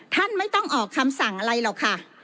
ท่านไม่ต้องออกคำสั่งอะไรหรอกค่ะ